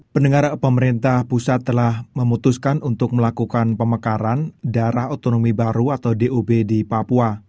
pendengar pemerintah pusat telah memutuskan untuk melakukan pemekaran darah otonomi baru atau dob di papua